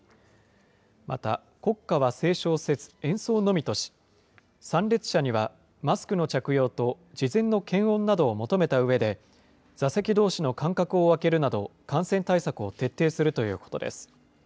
また、国歌は斉唱せず演奏のみとし、参列者にはマスクの着用と、事前の検温などを求めたうえで、座席どうしの間隔を空けるなど、感染対策を徹底するということです。